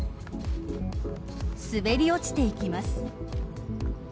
滑り落ちていきます。